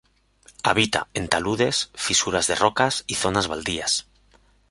Habita, en taludes, fisuras de rocas y zonas baldías.